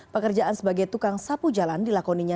pekerjaan sebagai tukang sapu jalan dilakoninya